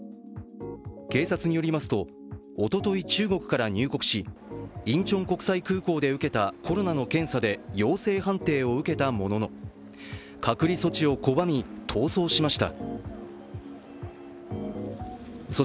警察によりますと、おととい、中国から入国し、インチョン国際空港で受けたコロナの検査で陽性判定を受けたものの隔離措置を拒み、逃走しました。